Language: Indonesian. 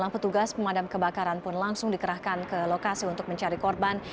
enam petugas pemadam kebakaran pun langsung dikerahkan ke lokasi untuk mencari korban